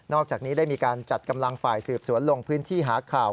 อกจากนี้ได้มีการจัดกำลังฝ่ายสืบสวนลงพื้นที่หาข่าว